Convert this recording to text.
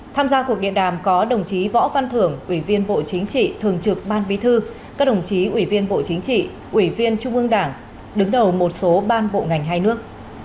tham gia cuộc điện đàm có đồng chí võ văn thưởng ủy viên bộ chính trị thường trực ban bí thư các đồng chí ủy viên bộ chính trị ủy viên trung ương đảng đứng đầu một số ban bộ ngành hai nước